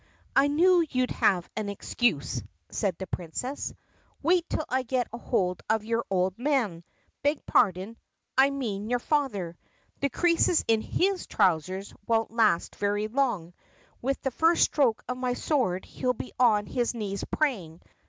"I knew you 'd have an excuse," said the Princess. "Wait till I get hold of your old man — beg pardon, I mean your father. The creases in his trousers won't last very long. With the first stroke of my sword he 'll be on his knees pray ing.